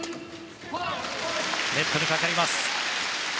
ネットにかかりました。